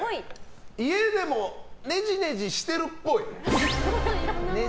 家でもねじねじしてるっぽい。